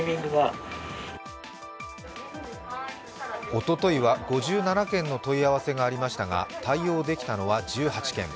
おとといは、５７件の問い合わせがありましたが、対応できたのは１８件。